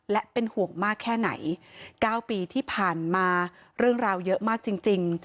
และเป็นห่วงมากแค่ไหน๙ปีที่ผ่านมาเรื่องราวเยอะมากจริง